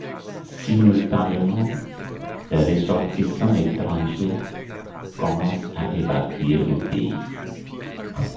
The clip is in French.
Simultanément, les ressortissants étrangers commencent à évacuer le pays.